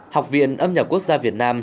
học viện âm nhạc quốc gia việt nam